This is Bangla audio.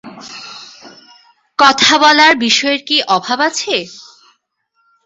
কথা বলার বিষয়ের কি অভাব আছে?